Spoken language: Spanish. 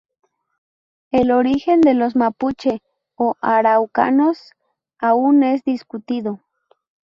El origen de los mapuche o araucanos aún es discutido.